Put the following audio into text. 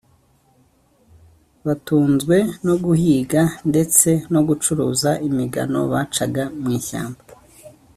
batunzwe no guhiga ndetse no gucuruza imigano bacaga mu ishyamba